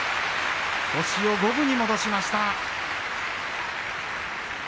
星を五分に戻しました。